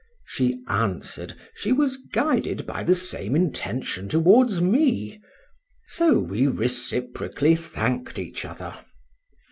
She answered, she was guided by the same intention towards me;—so we reciprocally thank'd each other.